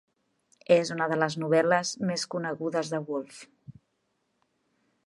És una de les novel·les més conegudes de Woolf.